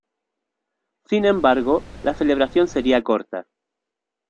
Sin embargo, la celebración sería corta.